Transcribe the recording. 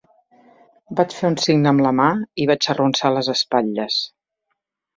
Vaig fer un signe amb la mà i vaig arronsar les espatlles.